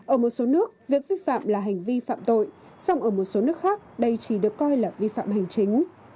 ở một số nước việc vi phạm là hành vi phạm tội song ở một số nước khác đây chỉ được coi là vi phạm hành chính